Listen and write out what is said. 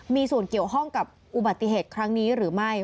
มีส่วนเกี่ยวข้องกับอุบัติเหตุครั้งนี้หรือไม่